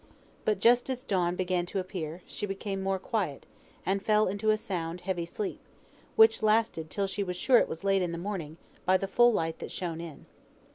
But just as dawn began to appear, she became more quiet, and fell into a sound heavy sleep, which lasted till she was sure it was late in the morning by the full light that shone in.